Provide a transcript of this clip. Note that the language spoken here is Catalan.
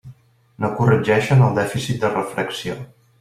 No corregeixen el dèficit de refracció.